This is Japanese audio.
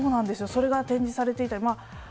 それが展示されていて。